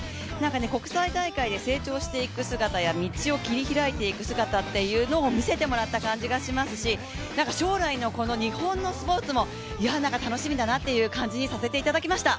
国際大会で成長していく姿や道を切り開いていく姿を見せてもらった感じがしますし将来の日本のスポーツも楽しみだなっていう感じにさせていただきました。